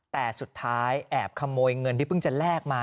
แต่สุดท้ายแอบขโมยเงินที่เพิ่งจะแลกมา